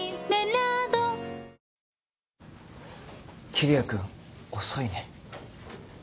桐矢君遅いね。